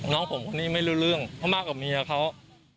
น้องผมคนนี้ไม่รู้เรื่องเพราะมากับเมียเขา